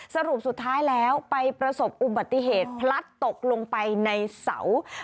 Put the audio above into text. สรุปสุดท้ายแล้วไปประสบอุบัติเหตุพลัดตกลงไปในเสา